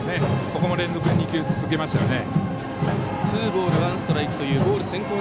ここも連続で２球続けましたね。